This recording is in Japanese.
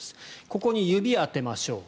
ここに指を当てましょう。